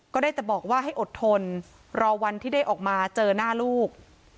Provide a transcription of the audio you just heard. ก็ได้แต่บอกว่าให้อดทนรอวันที่ได้ออกมาเจอหน้าลูก